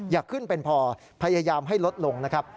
อย่าขึ้นเป็นพอพยายามให้ลดลงนะครับ